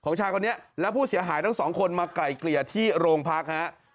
ชายคนนี้และผู้เสียหายทั้งสองคนมาไกลเกลี่ยที่โรงพักฮะ